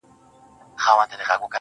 دا ستا د مستو گوتو له سيتاره راوتلي_